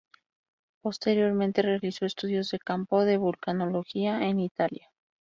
Posteriormente, realizó estudios de campo de vulcanología en Italia.